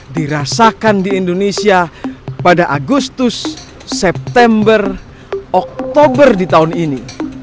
dirasakan di indonesia pada agustus september oktober di tahun ini